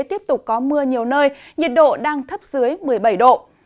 tiếp tục có mưa nhiều nơi nhiệt độ đang thấp dưới một mươi bảy độ